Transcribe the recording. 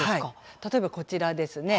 例えば、こちらです。